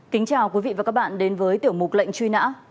kính chào quý vị và các bạn đến với tiểu mục lệnh truy nã